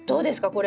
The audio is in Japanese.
これ。